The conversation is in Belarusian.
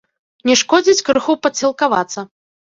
Не шкодзіць крыху падсілкавацца.